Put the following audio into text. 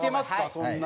そんなに。